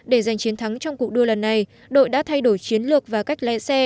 để giành chiến thắng trong cuộc đua lần này đội đã thay đổi chiến lược và cách lái xe